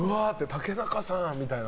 竹中さんみたいな。